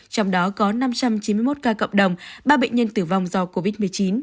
trong đó có năm trăm chín mươi một ca cộng đồng ba bệnh nhân tử vong do covid một mươi chín